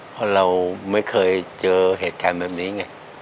เพราะเราไม่เคยเจอเหตุการณ์แบบนี้ไง